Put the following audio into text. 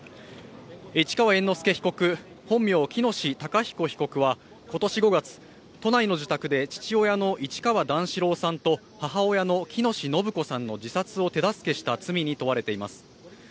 市川猿之助被告、本名・喜熨斗孝彦被告は今年５月、都内の自宅で父親の市川段四郎さんと母親の喜熨斗延子さんの自殺を手助けした罪に問われています。